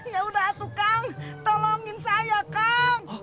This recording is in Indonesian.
ya udah tuh kang tolongin saya kang